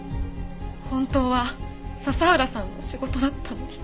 本当は佐々浦さんの仕事だったのに。